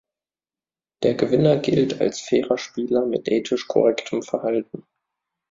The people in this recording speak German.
Der Gewinner gilt als fairer Spieler mit ethisch korrektem Verhalten.